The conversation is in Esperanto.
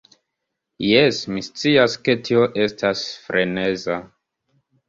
Jes, mi scias ke tio estas freneza